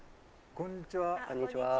こんにちは。